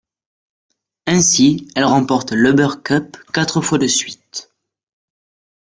Ainsi, elle remporte l'Uber Cup quatre fois de suite.